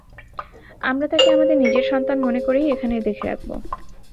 আমরা তাকে আমাদের নিজের সন্তান মনে করেই এখানে দেখে রাখবো।